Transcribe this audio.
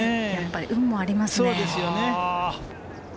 運もありますね。